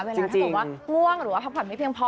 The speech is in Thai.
เวลาถ้าบอกว่าม่วงหรือว่าพักฝันไม่เพียงพอ